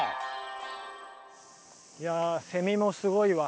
いやあセミもすごいわ。